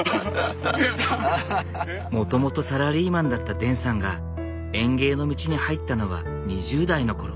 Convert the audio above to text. もともとサラリーマンだったデンさんが園芸の道に入ったのは２０代の頃。